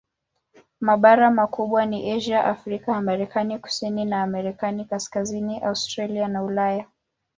Mabara makubwa ni Asia, Afrika, Amerika Kusini na Amerika Kaskazini, Australia na Ulaya.